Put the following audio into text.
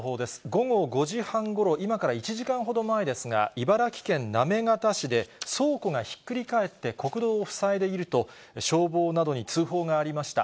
午後５時半ごろ、今から１時間ほど前ですが、茨城県行方市で、倉庫がひっくり返って国道を塞いでいると、消防などに通報がありました。